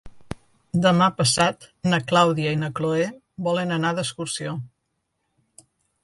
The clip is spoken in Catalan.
Demà passat na Clàudia i na Cloè volen anar d'excursió.